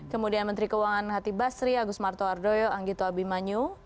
kemudian menteri keuangan hati basri agus martowardoyo anggito abimanyu